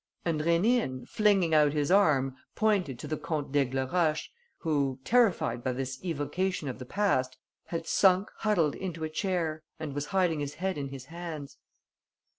And Rénine, flinging out his arm, pointed to the Comte d'Aigleroche, who, terrified by this evocation of the past, had sunk huddled into a chair and was hiding his head in his hands.